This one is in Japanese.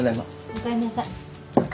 おかえりなさい。